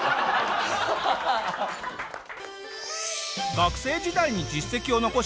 学生時代に実績を残し